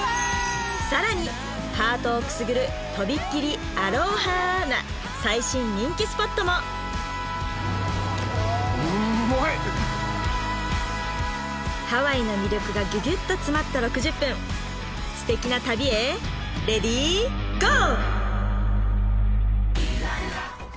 さらにハートをくすぐるとびっきりアロハな最新人気スポットもハワイの魅力がギュギュッと詰まった６０分素敵な旅へレディーゴー！